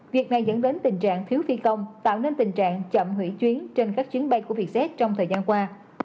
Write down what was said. việc này dẫn đến tình trạng thiếu phi công tạo nên tình trạng chậm hủy chuyến trên các chuyến bay của vietjet trong thời gian qua